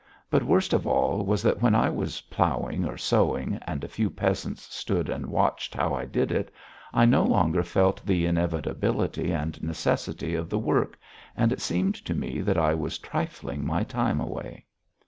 But worst of all was that when I was ploughing or sowing, and a few peasants stood and watched how I did it, I no longer felt the inevitability and necessity of the work and it seemed to me that I was trifling my time away.